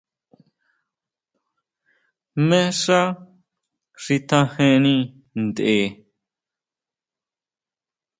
Jmé xá xi tjajeni ntʼe.